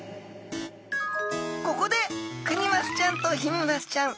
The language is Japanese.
ここでクニマスちゃんとヒメマスちゃん